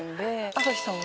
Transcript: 朝日さんは？